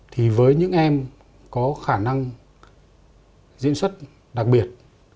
thì với những em có khả năng diễn xuất đặc biệt